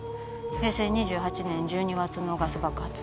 平成２８年１２月のガス爆発